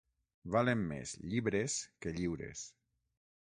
Valen més llibres que lliures.